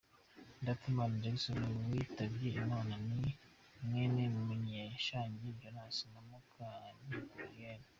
Ndatimana Jason witabye Imana ni mwene Munyeshangi Jonas na Mukankiko Eliane.